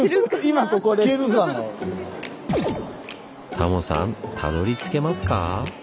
タモさんたどりつけますか？